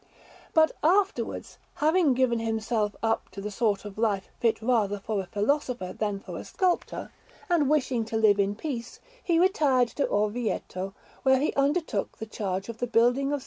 But afterwards, having given himself up to the sort of life fit rather for a philosopher than for a sculptor, and wishing to live in peace, he retired to Orvieto, where he undertook the charge of the building of S.